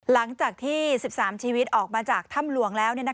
หลังจากที่๑๓ชีวิตออกมาจากถ้ำหลวงแล้ว